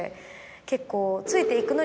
結構。